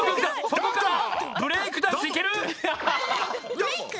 そこからブレイクダンスいける？ブレイク？